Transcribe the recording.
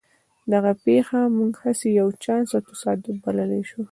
دغه پېښه موږ هسې یو چانس او تصادف بللای شو